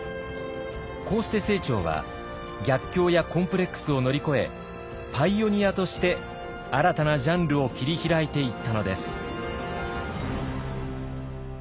こうして清張は逆境やコンプレックスを乗り越えパイオニアとして新たなジャンルを切り開いていったのです。